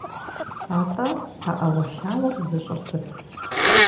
АтӀэ а Ӏэуэлъауэр зыщӀыр сыт?